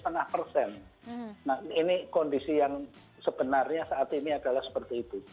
nah ini kondisi yang sebenarnya saat ini adalah seperti itu